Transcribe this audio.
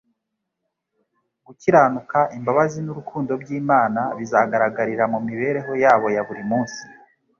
Gukiranuka, imbabazi n'urukundo by'Imana bizagaragarira mu mibereho yabo ya buri munsi.